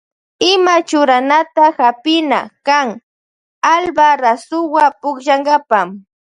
Ima churanata hapina kan Alba rasuwa pukllankapa.